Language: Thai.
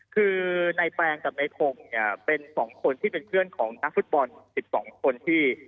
คือในแปลงกับในพงศ์เนี่ยเป็น๒คนที่เป็นเพื่อนของนักฟุตบอล๑๒คนที่